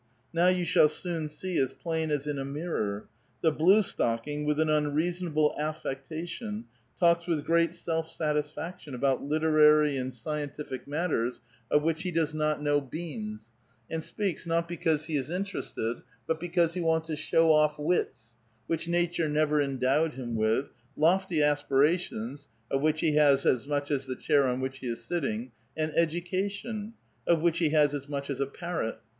Now you shall soon see as plain as in a miri'or. The blue stocking, with an unreasonable atfectation, talks with great self satis faction about literary and scientific matters of which he does ^ GimnazUchahi atteaUU. A VITAL QUESTION. 801 not know beans, and speaks not because he is interested, but because he wants to show off wits (which nature never en dowed him with), lofty aspirations (of which he has as much as the chair on which he is sitting), and education (of which he has as much as a parrot).